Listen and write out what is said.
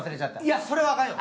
いや、それはあかんよ。